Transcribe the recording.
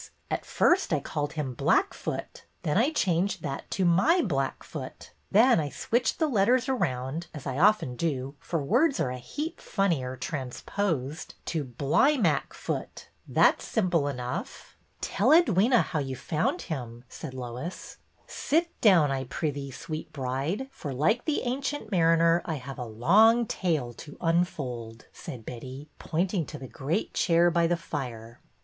At first I called him ' Black foot.' Then I changed that to ' My black foot.' Then I switched the letters around — as I often do, for words are a heap funnier transposed — to ' Bly mack foot.' That 's simple enough." 1 88 BETTY BAIRD'S VENTURES Tell Edwyna how you found him/' said Lois. Sit down, I prithee, sweet bride,, for, like the Ancient Mariner, I have a long tale to unfold," said Betty, pointing to the great chair by the fire.